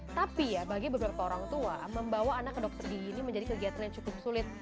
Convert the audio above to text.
tapi ya bagi beberapa orang tua membawa anak ke dokter di ini menjadi kegiatan yang cukup sulit